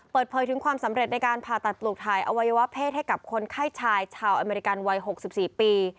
เปิดเผยถึงความสำเร็จในการผ่าตัดปลูกถ่ายอวัยวะเพศให้กับคนไข้ชายชาวอเมริกันวัย๖๔ปี